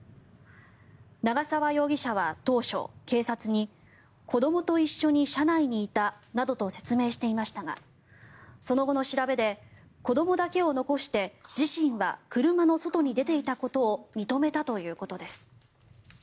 長澤容疑者は当初、警察に子どもと一緒に車内にいたなどと説明していましたがその後の調べで子どもだけを残して自身は車の外に出ていたことを認めたということです。